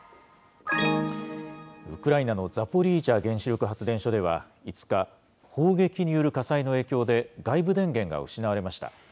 ウクライナのザポリージャ原子力発電所では、５日、砲撃による火災の影響で、外部電源が失われました。